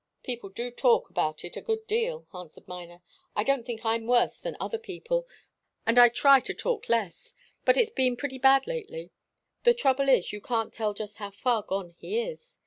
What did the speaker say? "People do talk about it a good deal," answered Miner. "I don't think I'm worse than other people, and I'll try to talk less. But it's been pretty bad, lately. The trouble is, you can't tell just how far gone he is.